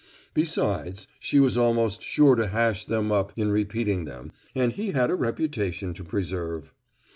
Besides, she was almost sure to hash them up in repeating them, and he had a reputation to preserve.